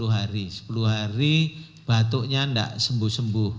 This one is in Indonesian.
sepuluh hari sepuluh hari batuknya tidak sembuh sembuh